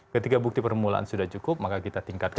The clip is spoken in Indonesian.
ketika bukti permulaan sudah cukup maka kita tingkatkan